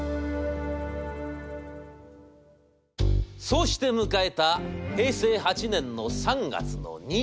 「そうして迎えた平成８年の３月の２８日。